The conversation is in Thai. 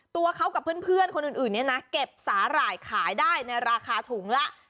ตัวเขากับเพื่อนคนอื่นเนี่ยนะเก็บสาหร่ายขายได้ในราคาถุงละ